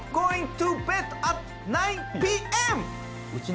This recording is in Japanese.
はい！